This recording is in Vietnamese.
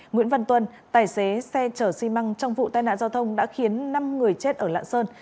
nguyễn văn tuân tài xế xe chở xi măng trong vụ tai nạn giao thông đã khiến năm người chết ở lạng sơn